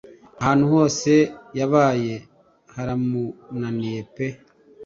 Ahantu hose yabaye haramunaniye pe